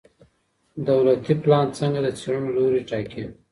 دولتي پلان څنګه د څېړنو لوری ټاکي؟